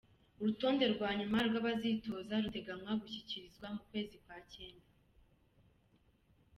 Urutonde rwa nyuma rw'abazitoza rutegekanywa gushikirizwa mu kwezi kw'icenda.